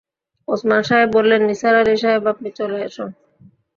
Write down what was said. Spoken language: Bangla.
ওসমান সাহেব বললেন, নিসার আলি সাহেব, আপনি চলে আসুন।